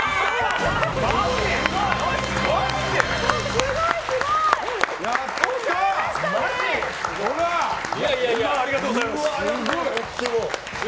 すごい、すごい！ありがとうございます。